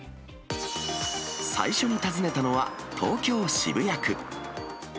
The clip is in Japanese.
最初に訪ねたのは、東京・渋谷区。